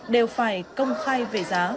đều phải công khai về giá